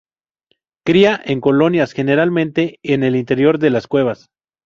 Cría en colonias generalmente en el interior de las cuevas.